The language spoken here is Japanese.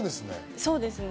そうですね。